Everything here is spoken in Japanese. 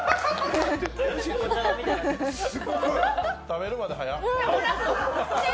食べるまで早！